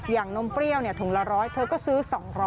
นมเปรี้ยวถุงละ๑๐๐เธอก็ซื้อ๒๐๐